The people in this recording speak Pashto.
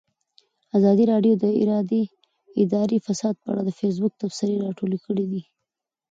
ازادي راډیو د اداري فساد په اړه د فیسبوک تبصرې راټولې کړي.